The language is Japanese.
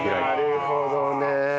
なるほどね。